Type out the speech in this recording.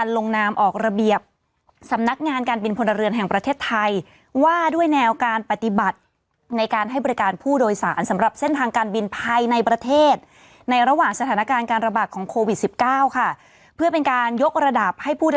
แล้วอันนั้นรักษาได้ยังคะไอ้ที่เป็นตาบอด